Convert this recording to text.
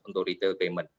untuk retail payment